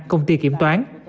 công ty kiểm toán